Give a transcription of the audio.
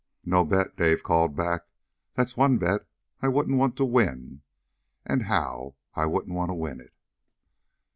"No bet!" Dave called back. "That's one bet I wouldn't want to win. And how, I wouldn't want to win it!"